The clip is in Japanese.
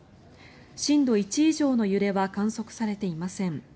震度１以上の揺れは観測されていません。